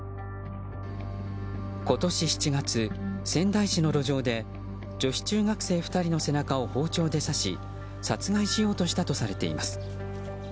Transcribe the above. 今年７月、仙台市の路上で女子中学生２人の背中を包丁で刺し殺害しようとしたとされています。